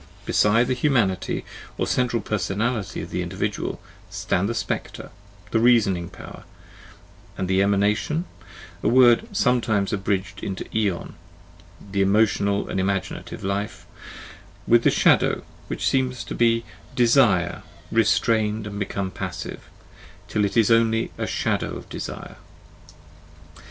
Beside the Humanity, or central personality of the individual, stand the Spectre, the reasoning power, and the Emanation (a word sometimes abridged into Eon,) the emotional and imaginative life, with the Shadow, which seems to be desire, restrained and become passive, " till it is only the shadow of desire."